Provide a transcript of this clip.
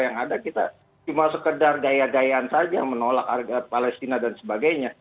yang ada kita cuma sekedar gaya gayaan saja menolak palestina dan sebagainya